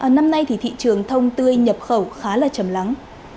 năm nay thì thị trường thông tươi nhập khẩu khá là chầm lắng